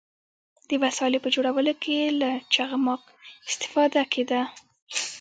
د وسایلو په جوړولو کې له چخماق استفاده کیده.